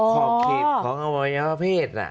ขอบเขตของอวัยวะเพศ